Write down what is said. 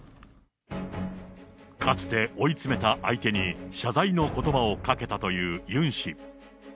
かつて追い詰めた相手に謝罪のことばをかけたというユン氏。